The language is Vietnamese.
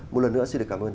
một lần nữa xin được cảm ơn